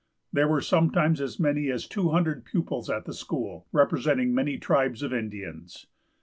There were sometimes as many as two hundred pupils at the school, representing many tribes of Indians.